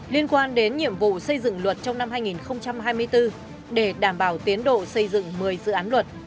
liên quan đến nhiệm vụ xây dựng luật trong năm hai nghìn hai mươi bốn để đảm bảo tiến độ xây dựng một mươi dự án luật